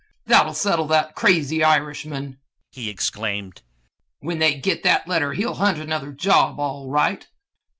"That will settle that crazy Irishman!" he exclaimed. "When they get that letter he will hunt another job, all right!"